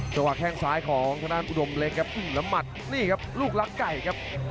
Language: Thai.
จังหวานแข่งซ้ายของอุดมเล็กครับแล้วมัดนี่ครับลูกรักไก่ครับ